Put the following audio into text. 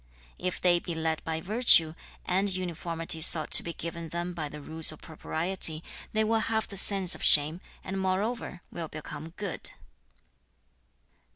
2. 'If they be led by virtue, and uniformity sought to be given them by the rules of propriety, they will have the sense of shame, and moreover will become good.'